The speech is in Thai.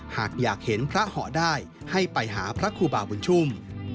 หากอยากเห็นพระหอได้ให้ไปหาพระครูบาบุญชุ่ม